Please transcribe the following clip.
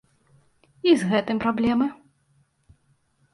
І з гэтым праблемы.